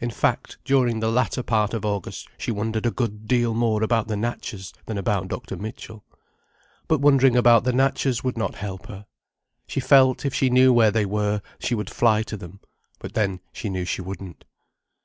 In fact, during the latter part of August she wondered a good deal more about the Natchas than about Dr. Mitchell. But wondering about the Natchas would not help her. She felt, if she knew where they were, she would fly to them. But then she knew she wouldn't.